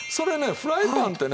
フライパンってね